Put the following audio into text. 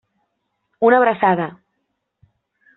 Una abraçada.